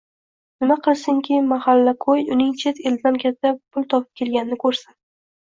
Nima qilsinki, mahalla-ko`y uning chet eldan katta pul topib kelganini ko`rsin